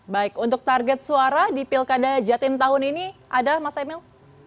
baik untuk target suara di pilkada jatim tahun ini ada mas emil